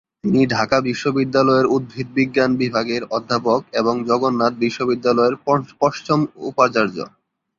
তিনি ঢাকা বিশ্ববিদ্যালয়ের উদ্ভিদবিজ্ঞান বিভাগের অধ্যাপক এবং জগন্নাথ বিশ্ববিদ্যালয়ের পঞ্চম উপাচার্য।